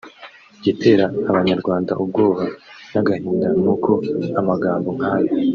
Igitera abanyarwanda ubwoba n’agahinda nuko amagambo nkayo